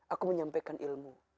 aku menyampaikan ilmu